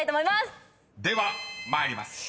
［では参ります］